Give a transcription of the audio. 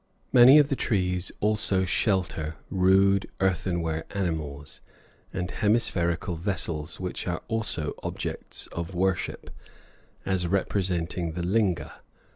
Many of the trees also shelter rude earthenware animals, and hemispherical vessels, which are also objects of worship, as representing the linga.